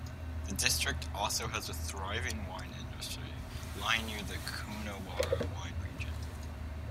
The district also has a thriving wine industry, lying near the Coonawarra wine region.